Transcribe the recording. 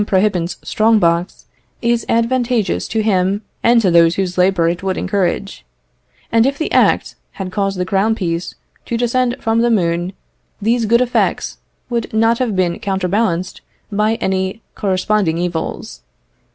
Prohibant's strong box, is advantageous to him and to those whose labour it would encourage; and if the Act had caused the crown piece to descend from the moon, these good effects would not have been counterbalanced by any corresponding evils.